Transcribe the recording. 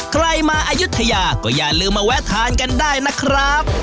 ใครมาอายุทยาก็อย่าลืมมาแวะทานกันได้นะครับ